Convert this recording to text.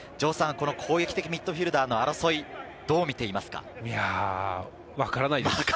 攻撃的ミッドフィルダーの争い、どう見ていますか？